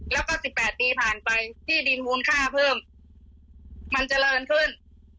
แล้วก็๑๘ปีผ่านไปที่ดินมูลค่าเพิ่มมันเจริญขึ้น